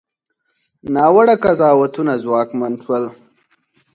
ناوړه قضاوتونه ځواکمن شول.